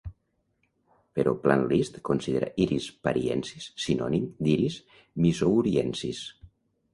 Però Plant List considera "Iris pariensis" sinònim d'"Iris missouriensis".